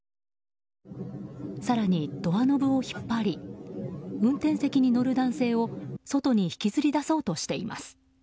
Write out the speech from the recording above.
更にドアノブを引っ張り運転席に乗る男性を外に引きずり出そうとしています。